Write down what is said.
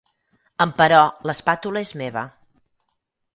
“Emperò l'espàtula és meva”.